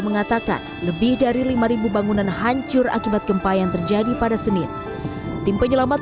mengatakan lebih dari lima bangunan hancur akibat gempa yang terjadi pada senin tim penyelamat